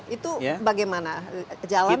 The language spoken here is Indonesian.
itu bagaimana jalan atau tidak